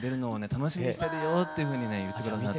楽しみにしてるよっていうふうにね言って下さる。